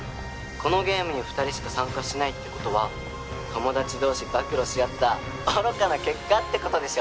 「このゲームに２人しか参加しないって事は友達同士暴露し合った愚かな結果って事でしょ？」